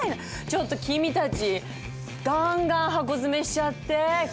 ちょっと君たちガンガン箱詰めしちゃって。